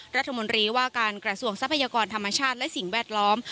รัฐมนตรีว่าการกระทรวงทรัพยากรธรรมชาติและสิ่งแวดล้อม